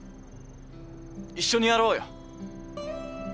一緒にやろうよ。